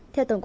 theo tổng cục